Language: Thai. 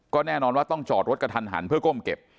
ก็แน่นอนว่าต้องจอดรถกระทันหันเพื่อก้มเก็บ